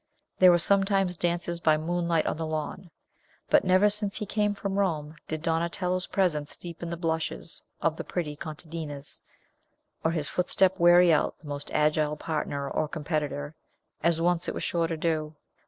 There were sometimes dances by moonlight on the lawn, but never since he came from Rome did Donatello's presence deepen the blushes of the pretty contadinas, or his footstep weary out the most agile partner or competitor, as once it was sure to do.